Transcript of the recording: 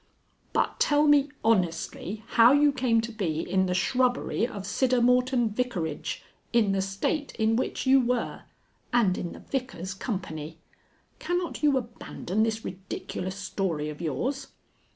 "But tell me, honestly, how you came to be in the shrubbery of Siddermorton Vicarage in the state in which you were. And in the Vicar's company. Cannot you abandon this ridiculous story of yours?..."